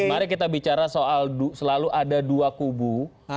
mari kita bicara soal selalu ada dua kubu